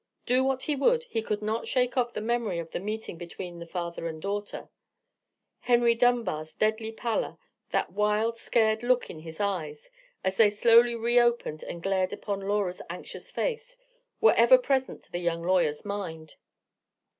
Do what he would, he could not shake off the memory of the meeting between the father and daughter. Henry Dunbar's deadly pallor—that wild, scared look in his eyes, as they slowly reopened and glared upon Laura's anxious face—were ever present to the young lawyer's mind.